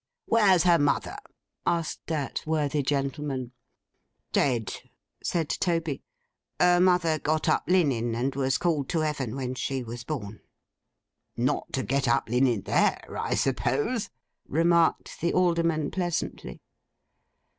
'Where's her mother?' asked that worthy gentleman. 'Dead,' said Toby. 'Her mother got up linen; and was called to Heaven when She was born.' 'Not to get up linen there, I suppose,' remarked the Alderman pleasantly.